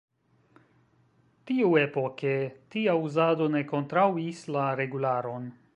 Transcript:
Tiuepoke tia uzado ne kontraŭis la regularon.